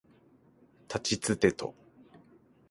たちつてと